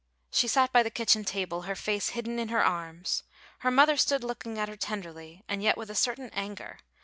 She sat by the kitchen table, her face hidden in her arms. Her mother stood looking at her tenderly, and yet with a certain anger.